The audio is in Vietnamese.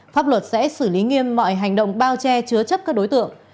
pháp luật sẽ xử lý nghiêm mọi hành động bao che chứa chấp các đối tượng